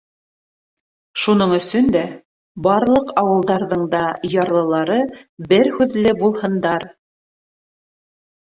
Шуның өсөн дә барлыҡ ауылдарҙың да ярлылары бер һүҙле булһындар.